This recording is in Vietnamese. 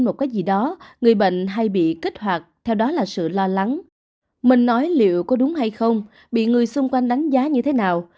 mình nói liệu có đúng hay không bị người xung quanh đánh giá như thế nào